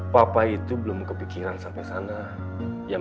papa itu belum kepikiran sampai sana